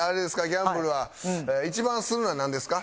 ギャンブルは一番するのはなんですか？